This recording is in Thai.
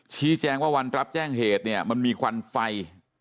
ชี้แจงว่าวันรับแจ้งเหตุเนี่ยมันมีควันไฟ